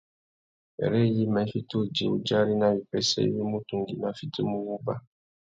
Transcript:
Wêrê yïmá i fiti udjï udjari nà wipêssê iwí mutu nguimá a fitimú wuba.